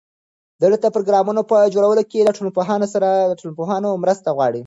دولت د پروګرامونو په جوړولو کې له ټولنپوهانو مرسته غواړي.